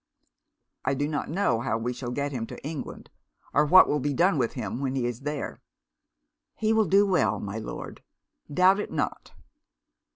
'I do not know how we shall get him to England, or what will be done with him when he is there.' 'He will do well, my Lord. Doubt it not.'